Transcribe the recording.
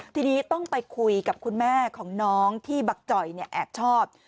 ทีนี้ต้องไปคุยกับคุณแม่ของน้องที่บักจ่อยแอบชอบ